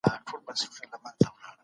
که څېړنه علمي نه وي نو بې ارزښته ده.